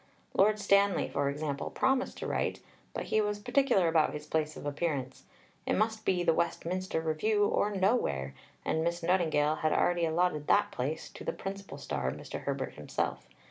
Lord Stanley, for example, promised to write, but he was particular about his place of appearance. It must be the Westminster Review or nowhere, and Miss Nightingale had already allotted that place to the principal star, Mr. Herbert himself.